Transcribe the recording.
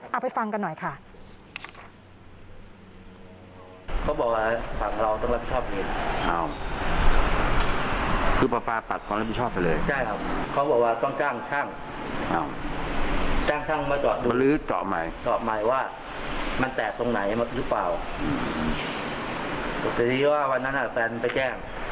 เอาไปฟังกันหน่อยค่ะ